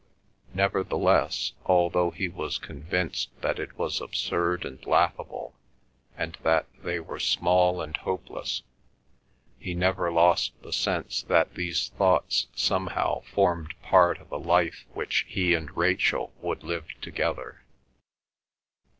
Nevertheless, although he was convinced that it was absurd and laughable, and that they were small and hopeless, he never lost the sense that these thoughts somehow formed part of a life which he and Rachel would live together.